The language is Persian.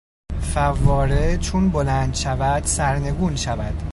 فواره چون بلند شود سرنگون شود.